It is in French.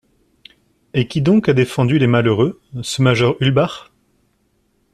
Et qui donc a défendu les malheureux, ce major Ulbach?